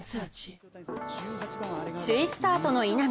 首位スタートの稲見。